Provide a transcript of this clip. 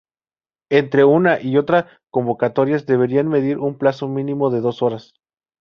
Entre una y otra convocatorias deberá mediar un plazo mínimo de dos horas.